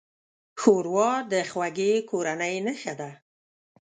ښوروا د خوږې کورنۍ نښه ده.